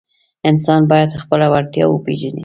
انسان باید خپله وړتیا وپیژني.